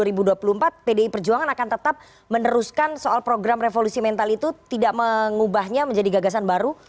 dalam kontestasi pilih presiden dua ribu dua puluh empat pdi perjuangan akan tetap meneruskan soal program revolusi mental itu tidak mengubahnya menjadi gagasan baru